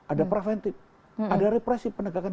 ada preventif ada represi penegakan